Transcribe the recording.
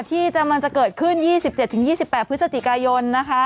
ที่กำลังจะเกิดขึ้น๒๗๒๘พฤศจิกายนนะคะ